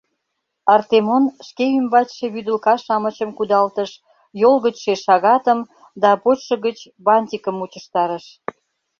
Артемон шке ӱмбачше вӱдылка-шамычым кудалтыш, йол гычше шагатым да почшо гыч бантикым мучыштарыш.